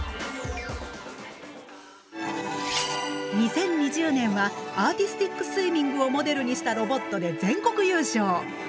２０２０年はアーティスティックスイミングをモデルにしたロボットで全国優勝。